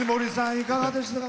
いかがでしたか？